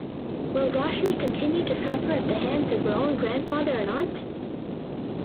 Will Roshni continue to suffer at the hands of her own grandfather and aunt?